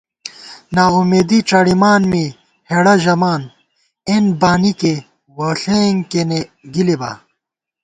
ناامېدی ڄَڑِمان می، ہېڑہ ژَمان اېن بانِکےووݪېنگ کېنےگِلِبا